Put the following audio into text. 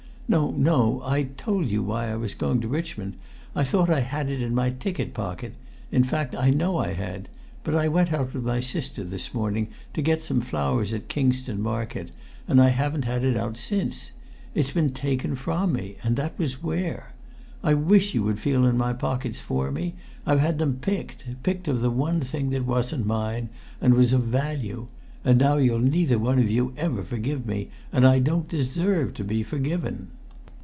"No, no! I told you why I was going to Richmond. I thought I had it in my ticket pocket. In fact, I know I had; but I went with my sister this morning to get some flowers at Kingston market, and I haven't had it out since. It's been taken from me, and that was where! I wish you'd feel in my pockets for me. I've had them picked picked of the one thing that wasn't mine, and was of value and now you'll neither of you ever forgive me, and I don't deserve to be forgiven!"